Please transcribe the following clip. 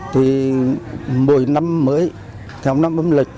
thì mỗi năm mới theo năm âm lịch